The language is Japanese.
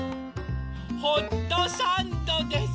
ホットサンドです！